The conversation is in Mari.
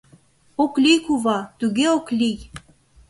Ок лий, кува, туге ок лий!..